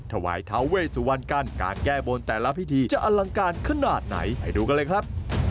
ถวายทาเวสุวรรณกันการแก้บนแต่ละพิธีจะอลังการขนาดไหนไปดูกันเลยครับ